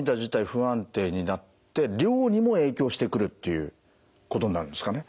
不安定になって量にも影響してくるっていうことになるんですかね。